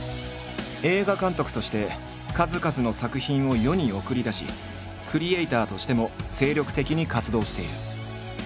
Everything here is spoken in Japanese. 映画監督として数々の作品を世に送り出しクリエーターとしても精力的に活動している。